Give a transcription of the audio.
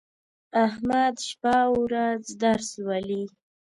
احمد شپه او ورځ درس لولي.